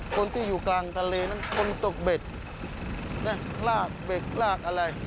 คนที่อยู่กลางทะเลนั้นคนตกเบ็ดนะลากเบ็กลากอะไร